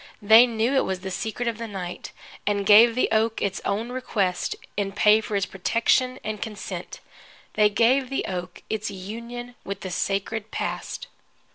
They knew it was the secret of the night, and gave the oak its own request, in pay for its protection and consent. They gave the oak its union with the sacred Past.